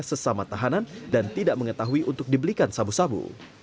sesama tahanan dan tidak mengetahui untuk dibelikan sabu sabu